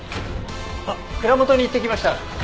蔵元に行ってきました。